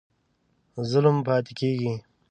ظلم پاتی کیږي؟